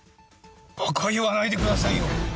バカ言わないでくださいよ！